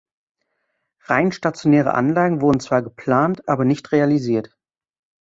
Rein stationäre Anlagen wurden zwar geplant, aber nicht realisiert.